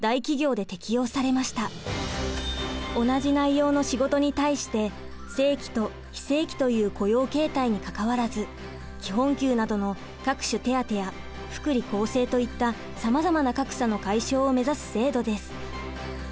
同じ内容の仕事に対して正規と非正規という雇用形態にかかわらず基本給などの各種手当や福利厚生といったさまざまな格差の解消を目指す制度です。